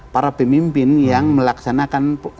para pemimpin yang melaksanakan